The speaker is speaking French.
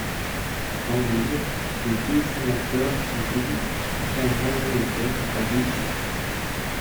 Dans l'Aube, les deux sénateurs sont élus au scrutin majoritaire à deux tours.